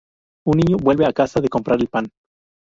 Un niño vuelve a casa de comprar el pan.